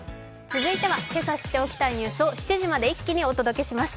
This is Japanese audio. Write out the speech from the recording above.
続いてはけさ知っておきたいニュースを７時まで一気にお届けします。